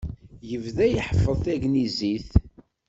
Yebda iḥeffeḍ tagnizit.